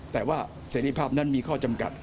แต่ว่าเสรีภาพนั้นมีข้อจำกัด